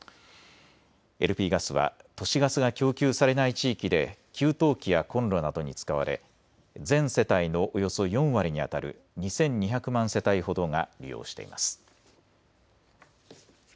ＬＰガスは都市ガスが供給されない地域で給湯器やコンロなどに使われ全世帯のおよそ４割にあたる２２００万世帯ほどが利用しています。